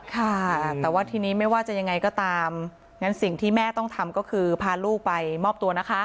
ค่ะแต่ว่าทีนี้ไม่ว่าจะยังไงก็ตามงั้นสิ่งที่แม่ต้องทำก็คือพาลูกไปมอบตัวนะคะ